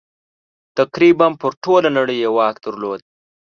تقریباً پر ټوله نړۍ یې واک درلود.